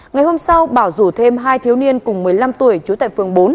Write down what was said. ngày hôm sau bảo rủ thêm hai thiếu niên cùng một mươi năm tuổi trú tại phường bốn